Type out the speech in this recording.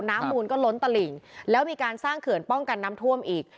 มูลก็ล้นตลิ่งแล้วมีการสร้างเขื่อนป้องกันน้ำท่วมอีก